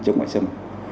chống ngoại xâm